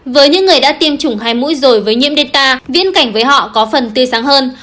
với những người đã tiêm chủng hai mũi rồi với nhiễm deta viễn cảnh với họ có phần tươi sáng hơn